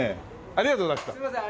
ありがとうございます。